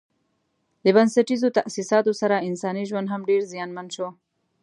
د بنسټیزو تاسیساتو سره انساني ژوند هم ډېر زیانمن شو.